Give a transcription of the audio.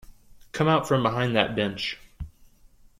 Come out from behind that bench.